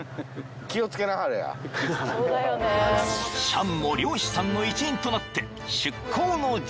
［チャンも漁師さんの一員となって］